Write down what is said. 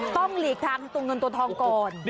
ต้องหนีกับตัวเงินตัวทองก่อน